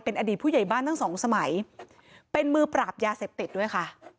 อดีตผู้ใหญ่บ้านทั้งสองสมัยเป็นมือปราบยาเสพติดด้วยค่ะ